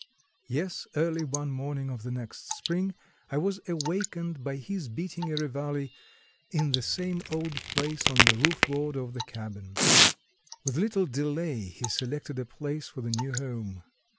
Yes, early one morning of the next spring I was awakened by his beating a reveille in the same old place on the roof board of the cabin. With little delay he selected a place for the new home.